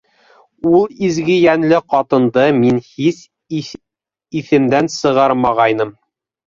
Ул изге йәнле ҡатынды мин һис иҫемдән сығармағайным.